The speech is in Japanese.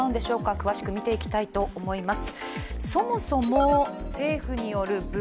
詳しく見ていきたいと思います。